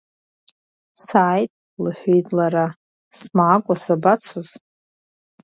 Сааит, – лҳәеит лара, смаакәа сабацоз…